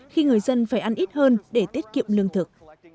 khi người dân phải ăn ít hơn để tiết kiệm lương thực